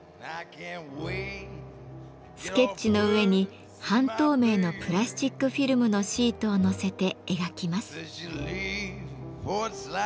スケッチの上に半透明のプラスチックフィルムのシートを載せて描きます。